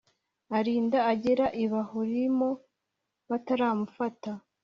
arinda agera i Bahurimu bataramufata